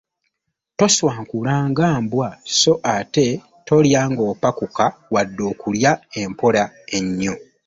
Tonswankula nga mbwa, so ate tolya ng’opakuka wadde okulya empola ennyo.